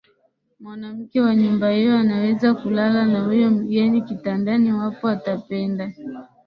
Mwanamke wa nyumba hio anaweza kulala na huyo mgeni kitandani iwapo atapenda